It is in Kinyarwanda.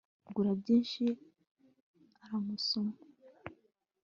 Gura byinshi aramusoma